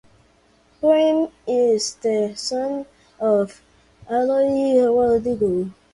Prem is the son of Aloy Rodrigo.